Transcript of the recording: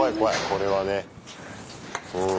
これはね。